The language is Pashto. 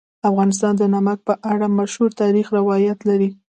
افغانستان د نمک په اړه مشهور تاریخی روایتونه لري.